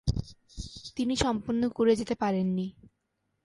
তিনি সম্পন্ন করে যেতে পারেন নি।